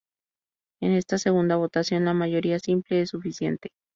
En esta segunda votación, la mayoría simple es suficiente.